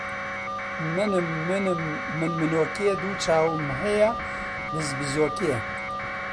منم منم من منۆکێ، دوو چاوم هەیە بز بزۆکێ.